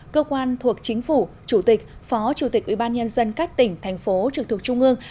cơ quan thuộc chính phủ chủ tịch phó chủ tịch ủy ban nhân dân các tỉnh thành phố trực thuộc trung ương